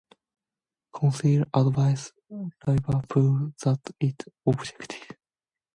Council advised Liverpool that it objected.